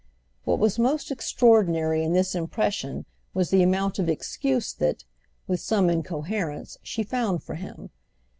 What was most extraordinary in this impression was the amount of excuse that, with some incoherence, she found for him.